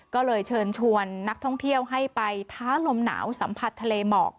ก็เลยเชิญชวนนักท่องเที่ยวให้ไปท้าลมหนาวสัมผัสทะเลหมอก